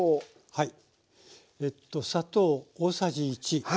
はい。